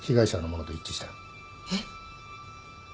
えっ！？